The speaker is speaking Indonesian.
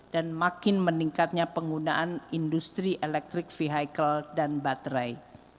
dan makin meningkatnya penggunaan industri elektrik vehikel dan baterai